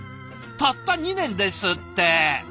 たった２年ですって。